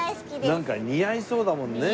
なんか似合いそうだもんね。